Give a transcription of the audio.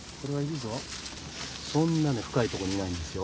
そんなね深いとこにいないんですよ。